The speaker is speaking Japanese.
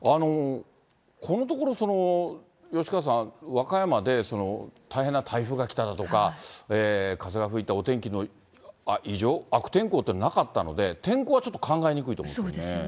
このところ、吉川さん、和歌山で大変な台風が来ただとか、風が吹いてお天気の異常、悪天候っていうのはなかったので、天候はちょっと考えにくいと思いますそうですね。